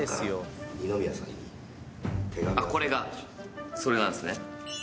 あっこれがそれなんすね。